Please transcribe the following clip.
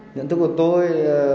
nhận thức của tôi